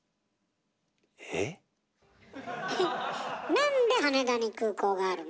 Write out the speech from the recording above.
なんで羽田に空港があるの？